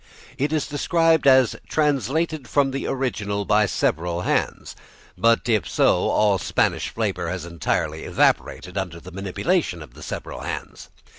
It is described as "translated from the original by several hands," but if so all Spanish flavour has entirely evaporated under the manipulation of the several hands.